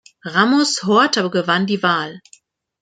Ramos-Horta gewann die Wahl.